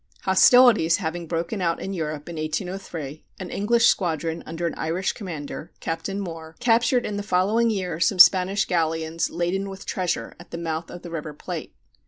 Hostilities having broken out in Europe in 1803, an English squadron under an Irish commander, Captain Moore, captured in the following year some Spanish galleons laden with treasure at the mouth of the River Plate.